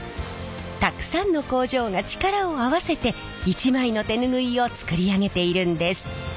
たくさんの工場が力を合わせて一枚の手ぬぐいを作り上げているんです。